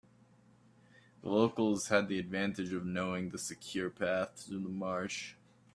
The locals had the advantage of knowing the secure path through the marsh.